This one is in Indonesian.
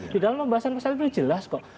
di dalam pembahasan pasal itu jelas kok